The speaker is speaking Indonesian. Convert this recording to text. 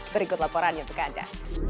berikut laporannya untuk anda